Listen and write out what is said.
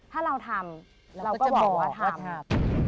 ถ้าเราทำเราก็จะบอกว่าทำ